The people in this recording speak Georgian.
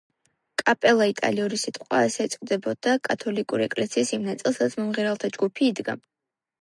კაპელა იტალიური სიტყვაა, ასე ეწოდებოდა კათოლიკური ეკლესიის იმ ნაწილს, სადაც მომღერალთა ჯგუფი იდგა.